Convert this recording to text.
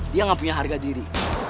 dia nggak punya harga diri